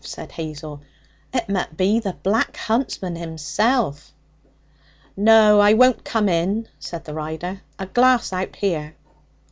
said Hazel, 'it met be the Black Huntsman himself.' 'No, I won't come in,' said the rider, 'a glass out here.'